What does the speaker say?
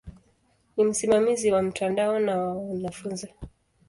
Ni msimamizi wa mtandao na wa wanafunzi.